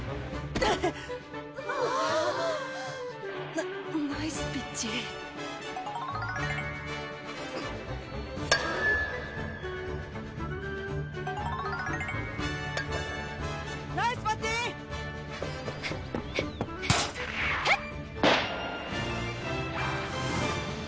ナナイスピッチナイスバッティン！はっ！